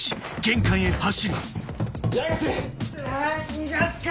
逃がすか！